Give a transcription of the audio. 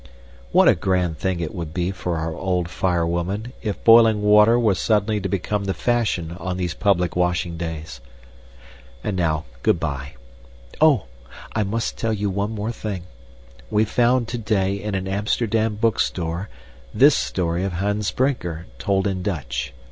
What a grand thing it would be for our old fire woman if boiling water were suddenly to become the fashion on these public washing days! And now goodbye. Oh! I must tell you one more thing. We found today in an Amsterdam bookstore this story of Hans Brinker told in Dutch.